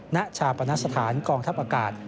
ณชาปนสถานกองทัพอากาศ